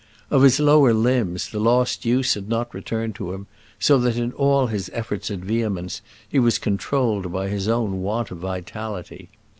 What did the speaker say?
Of his lower limbs the lost use had not returned to him, so that in all his efforts at vehemence he was controlled by his own want of vitality.